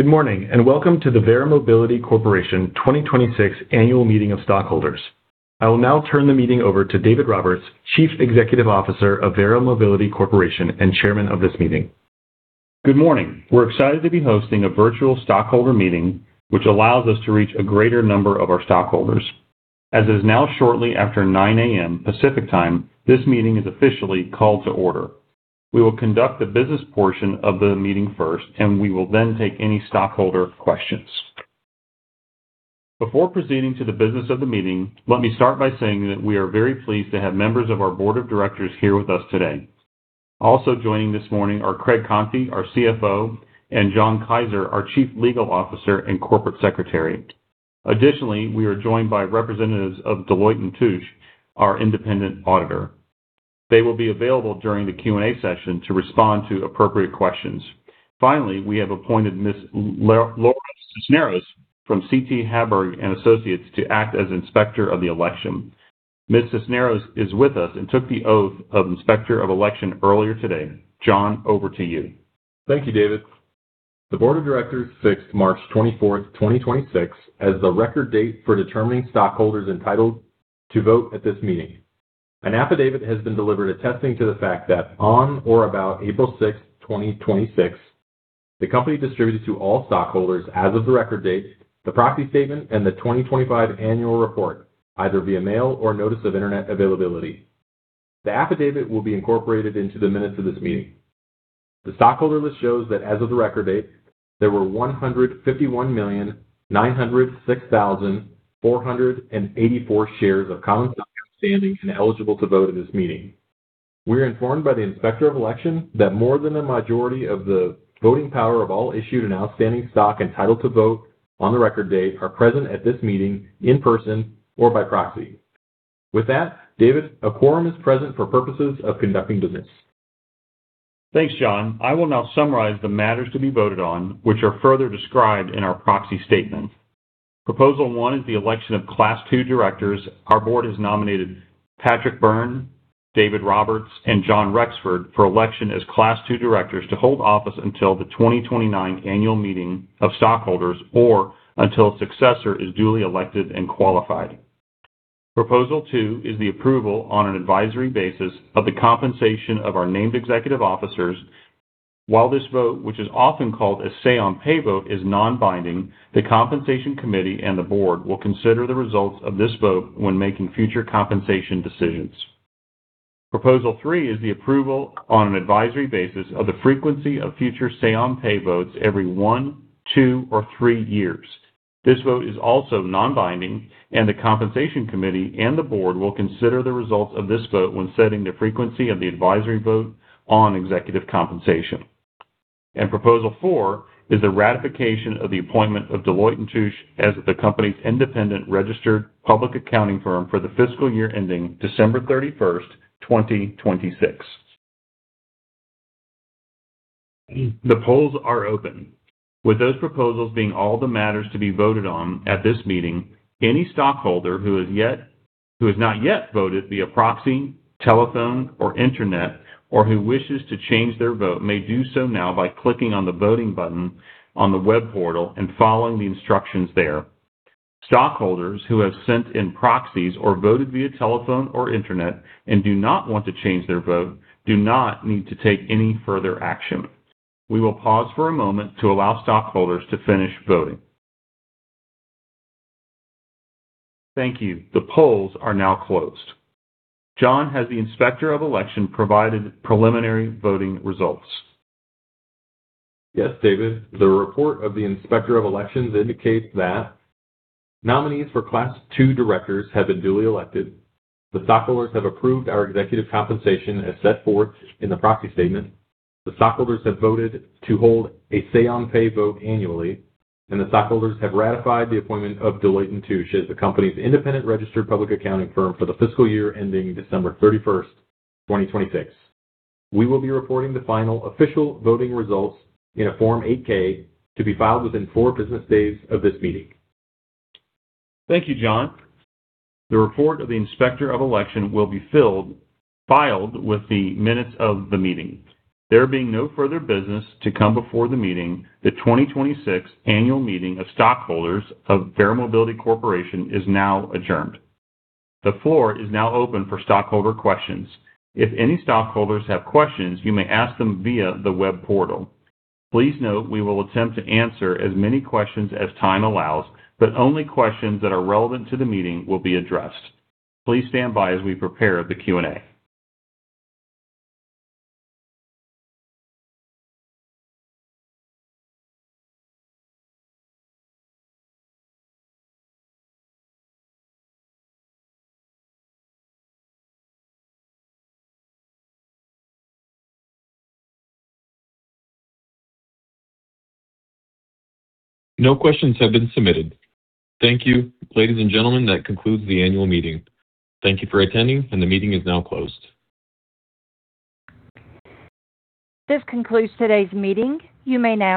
Good morning, welcome to the Verra Mobility Corporation 2026 Annual Meeting of stockholders. I will now turn the meeting over to David Roberts, Chief Executive Officer of Verra Mobility Corporation and Chairman of this meeting. Good morning. We're excited to be hosting a virtual stockholder meeting which allows us to reach a greater number of our stockholders. As it is now shortly after 9:00 A.M. Pacific Time, this meeting is officially called to order. We will conduct the business portion of the meeting first. We will then take any stockholder questions. Before proceeding to the business of the meeting, let me start by saying that we are very pleased to have members of our board of directors here with us today. Also joining this morning are Craig Conti, our CFO, and Jon Keyser, our Chief Legal Officer and Corporate Secretary. Additionally, we are joined by representatives of Deloitte & Touche, our Independent Auditor. They will be available during the Q&A session to respond to appropriate questions. Finally, we have appointed Ms. Laura Cisneros from CT Hagberg and Associates to act as Inspector of the Election. Ms. Cisneros is with us and took the Oath of Inspector of Election earlier today. Jon, over to you. Thank you, David. The Board of Directors fixed March 24th, 2026 as the record date for determining stockholders entitled to vote at this meeting. An affidavit has been delivered attesting to the fact that on or about April 6th, 2026, the company distributed to all stockholders as of the record date the proxy statement and the 2025 Annual Report, either via mail or notice of internet availability. The affidavit will be incorporated into the minutes of this meeting. The stockholder list shows that as of the record date, there were 151,906,484 shares of common stock outstanding and eligible to vote at this meeting. We are informed by the Inspector of Election that more than a majority of the voting power of all issued and outstanding stock entitled to vote on the record date are present at this meeting in person or by proxy. With that, David, a quorum is present for purposes of conducting business. Thanks, Jon. I will now summarize the matters to be voted on, which are further described in our proxy statement. Proposal one is the election of Class II directors. Our board has nominated Patrick J. Byrne, David Roberts, and John Rexford for election as Class II directors to hold office until the 2029 Annual Meeting of Stockholders or until a successor is duly elected and qualified. Proposal two is the approval on an advisory basis of the compensation of our named executive officers. While this vote, which is often called a Say-On-Pay vote, is non-binding, the compensation committee and the board will consider the results of this vote when making future compensation decisions. Proposal three is the approval on an advisory basis of the frequency of future say-on-pay votes every one, two, or three years. This vote is also non-binding, the compensation committee and the board will consider the results of this vote when setting the frequency of the advisory vote on executive compensation. Proposal four is the ratification of the appointment of Deloitte & Touche as the company's independent registered public accounting firm for the fiscal year ending December 31st, 2026. The polls are open. With those proposals being all the matters to be voted on at this meeting, any stockholder who has not yet voted via proxy, telephone or internet, or who wishes to change their vote may do so now by clicking on the voting button on the web portal and following the instructions there. Stockholders who have sent in proxies or voted via telephone or internet and do not want to change their vote do not need to take any further action. We will pause for a moment to allow stockholders to finish voting. Thank you. The polls are now closed. Jon, has the Inspector of Election provided preliminary voting results? Yes, David. The report of the inspector of elections indicates that nominees for Class II directors have been duly elected. The stockholders have approved our executive compensation as set forth in the proxy statement. The stockholders have voted to hold a Say-On-Pay vote annually. The stockholders have ratified the appointment of Deloitte & Touche as the company's independent registered public accounting firm for the fiscal year ending December 31st, 2026. We will be reporting the final official voting results in a Form 8-K to be filed within four business days of this meeting. Thank you, Jon. The report of the Inspector of Election will be filed with the minutes of the meeting. There being no further business to come before the meeting, the 2026 Annual Meeting of Stockholders of Verra Mobility Corporation is now adjourned. The floor is now open for stockholder questions. If any stockholders have questions, you may ask them via the web portal. Please note we will attempt to answer as many questions as time allows, but only questions that are relevant to the meeting will be addressed. Please stand by as we prepare the Q&A. No questions have been submitted. Thank you, ladies and gentlemen. That concludes the Annual Meeting. Thank you for attending and the meeting is now closed. This concludes today's meeting. You may now.